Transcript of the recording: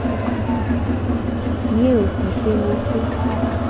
Myee osisye niising'.